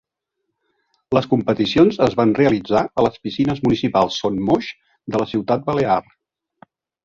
Les competicions es van realitzar a les Piscines Municipals Son Moix de la ciutat balear.